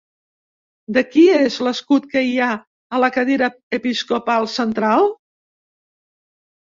De qui és l'escut que hi ha a la cadira episcopal central?